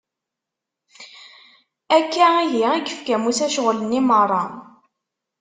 Akka ihi i yekfa Musa ccɣel-nni meṛṛa.